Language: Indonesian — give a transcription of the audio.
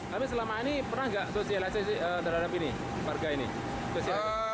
tapi selama ini pernah gak sosialisasi terhadap ini